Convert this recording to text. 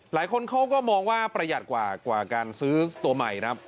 หลายคนเขาก็มองว่าประหยัดกว่าการซื้อตัวใหม่ครับ